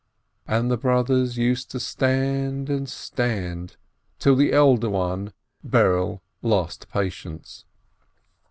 And the brothers used to stand and stand, till the elder one, Berele, lost patience.